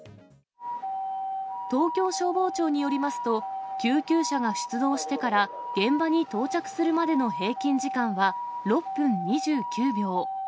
東京消防庁によりますと、救急車が出動してから、現場に到着するまでの平均時間は６分２９秒。